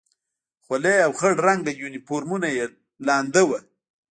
خولۍ او خړ رنګه یونیفورمونه یې لوند و.